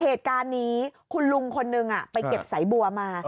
เหตุการณ์นี้คุณลุงคนนึงไปเก็บสายบัวมา